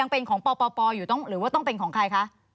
ปปหรือว่าต้องเป็นของใครคะ